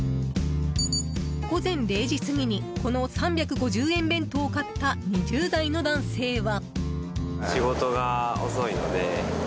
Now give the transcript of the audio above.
午前０時過ぎにこの３５０円弁当を買った２０代の男性は。